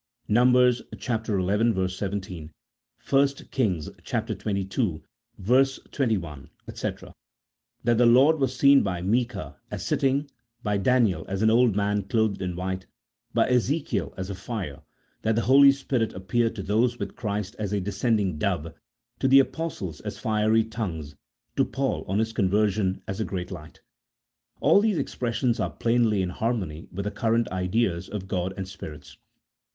Numbers xi. 17, 1 Kings xxii. 21, &c), that the Lord was seen by Micah as sitting, by Daniel as an old man clothed in white, by Ezekiel as a fire, that the Holy Spirit appeared to those with Christ as a descending dove, to the apostles as fiery tongues, to Paul on his conversion as a great light. All these expressions are plainly in harmony with the current ideas of God and spirits.